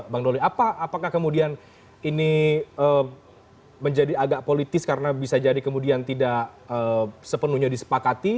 bang doli apakah kemudian ini menjadi agak politis karena bisa jadi kemudian tidak sepenuhnya disepakati